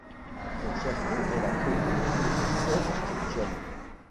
Son chef-lieu est la commune de Seftigen.